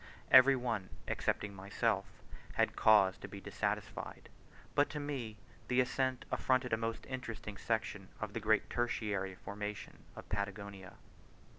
Every one, excepting myself, had cause to be dissatisfied; but to me the ascent afforded a most interesting section of the great tertiary formation of Patagonia.